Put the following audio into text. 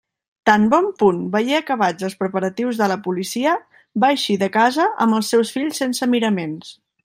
Tan bon punt veié acabats els preparatius de la policia, va eixir de casa amb els seus fills sense miraments.